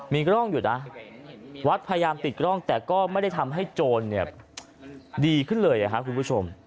มีกล้องอยู่นะวัดพยายามติดกล้องแต่ก็ไม่ได้ทำให้โจรดีขึ้นเลยครับคุณผู้ชม